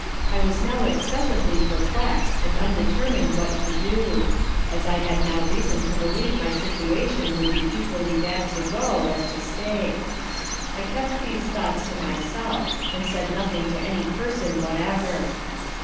I was now excessively perplexed, and undetermined what to do; as I had now reason to believe my situation would be equally bad to go, as to stay. I kept these thoughts to myself, and said nothing to any person whatever.